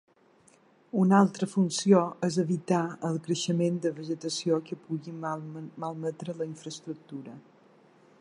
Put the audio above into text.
Una altra funció és evitar el creixement de vegetació que pugui malmetre la infraestructura.